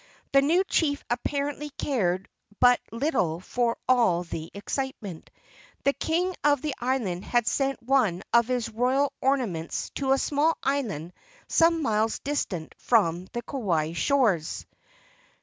The new chief apparently cared but little for all the excitement. The king of the island had sent one of his royal ornaments to a small island some miles distant from the Kauai shores.